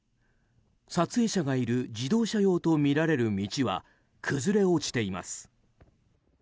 撮影者がいる自動車用とみられる道は崩れ落ちています。